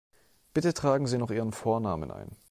Bitte tragen Sie noch Ihren Vornamen ein.